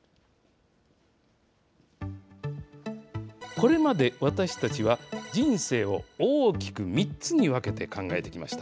これまで、私たちは人生を大きく３つに分けて考えてきました。